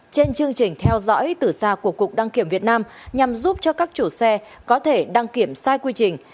trên chương trình theo dõi từ xa của cục đăng kiểm việt nam nhằm giúp cho các chủ xe có thể đăng kiểm sai quy trình